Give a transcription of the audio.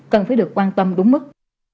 cần phải được quan tâm đúng mức